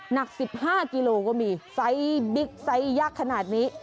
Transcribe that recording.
หนัก๑๕กิโลก็มีไซส์บิ๊กไซส์ยักษ์ขนาดนี้